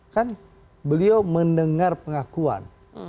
kan beliau mendengar pengakuan